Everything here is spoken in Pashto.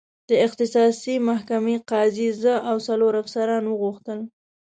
د اختصاصي محکمې قاضي زه او څلور افسران وغوښتل.